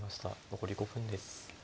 残り５分です。